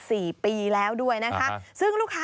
สวัสดีครับสวัสดีครับ